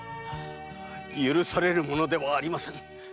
許されるものではありませぬ。